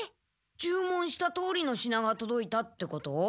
注文したとおりの品がとどいたってこと？